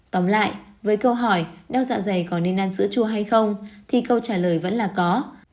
tóm lại với câu hỏi đau dạ dày có nên ăn sữa chua hay không thì câu trả lời vẫn là có